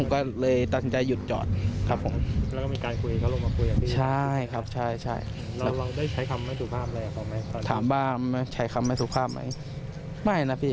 ครับผม